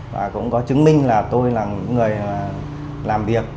và cũng có chứng minh là tôi là những người làm việc